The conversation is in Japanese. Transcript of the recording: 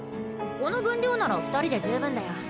この分量なら２人で十分だよ。